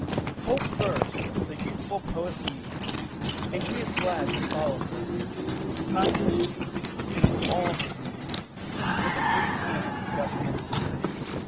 Hope first the youthful Poet leads, And he is glad to follow her; Kind is she, and to all his needs With a free hand doth minister.